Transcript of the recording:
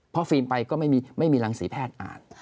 พอฟิล์มไปก็ไม่มีรังสีแพทย์อ่าน